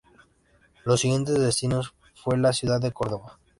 Su siguiente destino fue la ciudad de Córdoba.